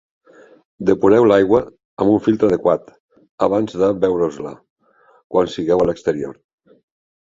Depureu l'aigua amb un filtre adequat abans de beure-us-la quan sigueu a l'exterior.